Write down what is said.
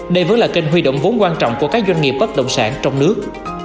đây vẫn là kênh huy động vốn quan trọng của các doanh nghiệp bất động sản trong nước